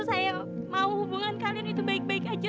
saya mau hubungan kalian itu baik baik aja